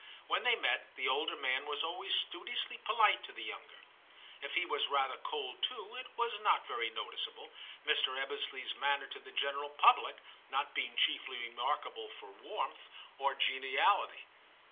When they met, the older man was always studiously polite to the younger ; if he was rather cold too, it was not very noticeable, Mr. Ebbesley's manner to the general public not being chiefly remarkable for warmth or 246 TIM CHAP. geniality.